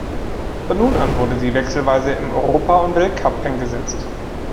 Von nun an wurde sie wechselweise im Europa- und Weltcup eingesetzt.